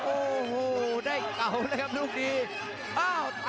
โอ้โหได้เก่าเลยครับลูกดี